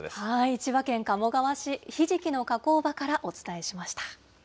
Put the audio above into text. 千葉県鴨川市、ひじきの加工場からお伝えしました。